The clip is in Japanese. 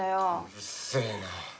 うっせえな！